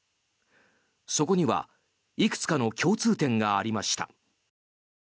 そこにはいくつかの共通点がありました。